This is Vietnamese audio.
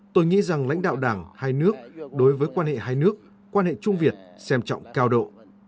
tôi nghĩ rằng lãnh đạo đảng hai nước đối với quan hệ hai nước quan hệ trung việt xem trọng cao độ